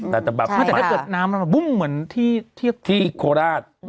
แต่แบบถ้าเกิดน้ำมันบุ้งเหมือนที่โคราช